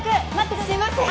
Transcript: すいません。